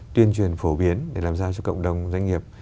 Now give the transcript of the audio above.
tuyên truyền phổ biến để làm sao cho cộng đồng doanh nghiệp